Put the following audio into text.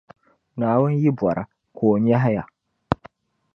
Naawuni yi bɔra, ka o nyɛhi ya.